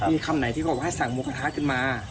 มีคำไหนที่บอกว่าให้สั่งหมูกระทะขึ้นมา